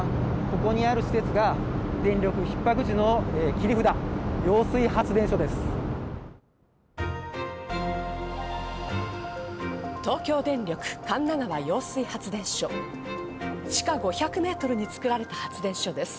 ここにある施設が電力逼迫時の切り札、揚水発電所です。